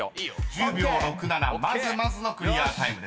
［１０秒６７まずまずのクリアタイムです］